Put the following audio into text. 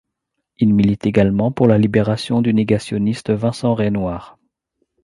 Il milite également pour la libération du négationniste Vincent Reynouard.